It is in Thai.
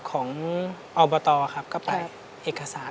ของอัลบอตอร์ครับก็ไปเอกสาร